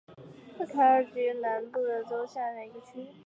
诺奥卡特区是吉尔吉斯斯坦西南州份奥什州下辖的一个区。